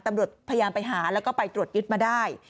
ตำรวจพยายามไปหาแล้วก็ไปตรวจยึดมาได้